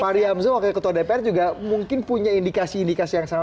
fahri hamzah wakil ketua dpr juga mungkin punya indikasi indikasi yang sama